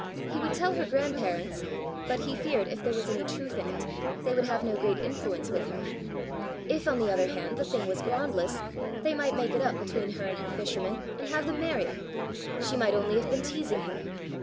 He would tell her grandparents; but he feared, if there was any truth in it, they would have no great influence with her. If on the other hand, the thing was groundless, they might make it up between her and her fisherman, and have them married! She might only have been teasing him!